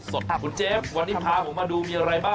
คุณเจฟวันนี้พาผมมาดูมีอะไรบ้าง